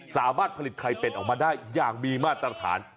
สามารถผลิตไข่เป็ดออกมาได้อย่างมีมาตรฐาน